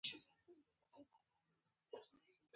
د علامه رشاد لیکنی هنر مهم دی ځکه چې ژباړې کوي.